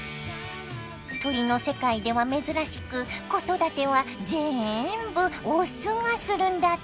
鳥の世界では珍しく子育てはぜんぶオスがするんだって。